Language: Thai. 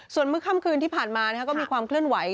ส่วนเมื่อค่ำคืนที่ผ่านมาก็มีความเคลื่อนไหว